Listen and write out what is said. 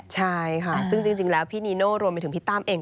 ใช่ค่ะซึ่งจริงแล้วพี่นีโน่รวมไปถึงพี่ตั้มเอง